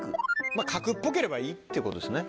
まぁ角っぽければいいってことですね。